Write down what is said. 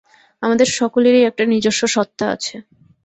আমাদের সকলেরই একটা নিজস্ব সত্তা আছে।